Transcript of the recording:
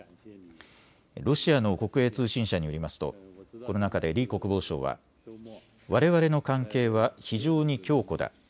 ロシアの国営通信社によりますとこの中で李国防相はわれわれの関係は非常に強固だ。